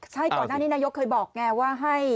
ใช่ก่อนหน้านี้นายกเคยบอกไงว่าให้